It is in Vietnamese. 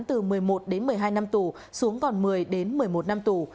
từ một mươi một đến một mươi hai năm tù xuống còn một mươi đến một mươi một năm tù